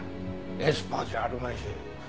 エスパーじゃあるまいし。